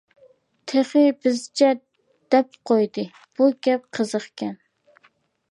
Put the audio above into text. تېخى بىزچە دەپ قويدى، -بۇ گەپ قىزىقكەن.